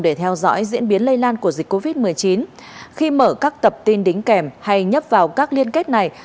để theo dõi diễn biến lây lan của dịch covid một mươi chín khi mở các tập tin đính kèm hay nhấp vào các liên kết này